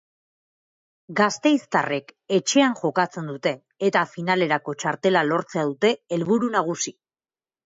Gasteiztarrek etxean jokatzen dute eta finalerako txartela lortzea dute heburu nagusi.